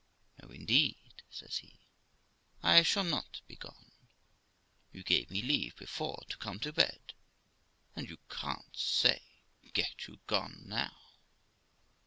'No, indeed', says he, 'I shall not be gone ; you gave me leave before to come to bed, and you shan't say "Get you gone" now.'